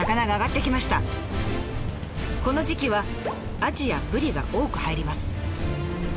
この時期はアジやブリが多く入ります。